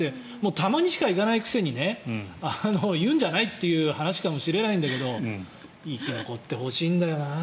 たまにしか行かないくせにね言うんじゃないという話かもしれないけど生き残ってほしいんだよな。